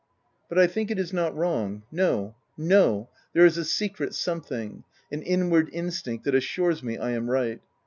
But I think it is not wrong — no, no — there is a secret something — an inward instinct that assures me I am right.